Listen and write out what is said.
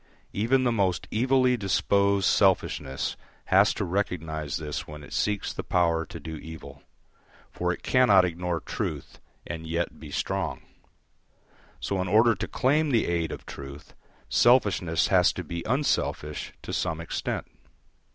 Even the most evilly disposed selfishness has to recognise this when it seeks the power to do evil; for it cannot ignore truth and yet be strong. So in order to claim the aid of truth, selfishness has to be unselfish to some extent.